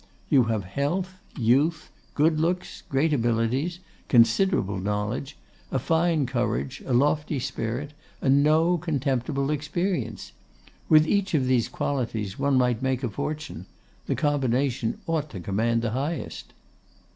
'You have health, youth, good looks, great abilities, considerable knowledge, a fine courage, a lofty spirit, and no contemptible experience. With each of these qualities one might make a fortune; the combination ought to command the highest.